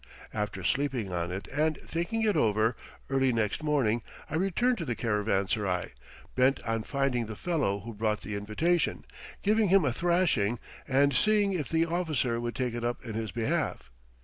After sleeping on it and thinking it over, early next morning I returned to the caravanserai, bent on finding the fellow who brought the invitation, giving him a thrashing, and seeing if the officer would take it up in his behalf.